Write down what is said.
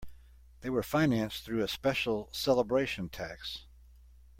They were financed through a special celebration tax.